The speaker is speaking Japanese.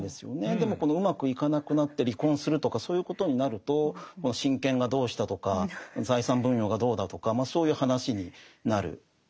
でもこのうまくいかなくなって離婚するとかそういうことになると親権がどうしたとか財産分与がどうだとかそういう話になる。